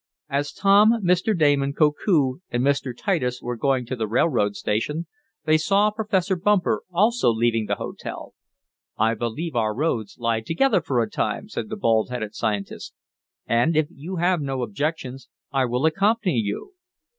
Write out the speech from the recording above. As Tom, Mr. Damon, Koku, and Mr. Titus were going to the railroad station they saw Professor Bumper also leaving the hotel. "I believe our roads lie together for a time," said the bald headed scientist, "and, if you have no objections, I will accompany you."